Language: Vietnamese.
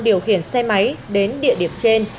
điều khiển xe máy đến địa điểm trên